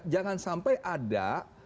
jangan sampai ada